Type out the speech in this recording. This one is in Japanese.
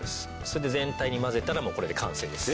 それで全体に混ぜたらもうこれで完成です。